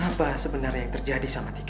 apa sebenarnya yang terjadi sama tika